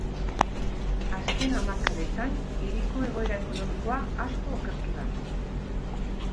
Azken hamarkadetan hiriko egoera ekonomikoa asko okertu da.